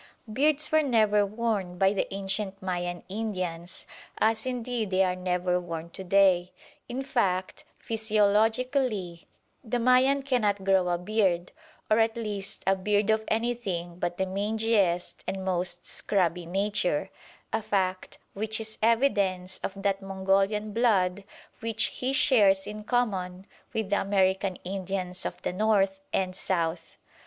Beards were never worn by the ancient Mayan Indians, as indeed they are never worn to day. In fact, physiologically the Mayan cannot grow a beard, or at least a beard of anything but the mangiest and most scrubby nature, a fact which is evidence of that Mongolian blood which he shares in common with the American Indians of the North and South.